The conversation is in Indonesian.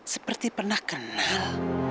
seperti pernah kenal